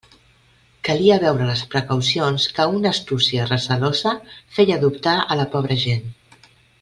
Calia veure les precaucions que una astúcia recelosa feia adoptar a la pobra gent.